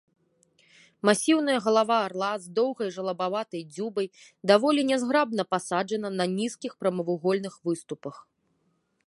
Масіўная галава арла з доўгай жалабаватай дзюбай даволі нязграбна пасаджана на нізкіх прамавугольных выступах.